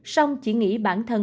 xong chỉ nghĩ bản thân